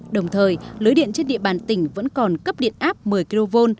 đồng thời lưới điện trên địa bàn tỉnh vẫn còn cấp điện áp một mươi kv